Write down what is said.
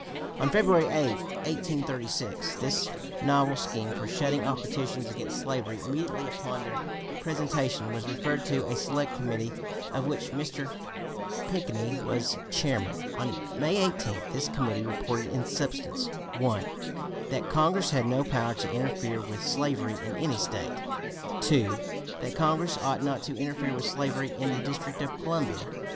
On February 8, 1836, this novel scheme for shutting off petitions against slavery immediately upon their presentation was referred to a select committee of which Mr. Pinckney was chairman. On May 18 this committee reported in substance: 1. That Congress had no power to interfere with slavery in any State; 2. That Congress ought not to interfere with slavery in the District of Columbia; 3.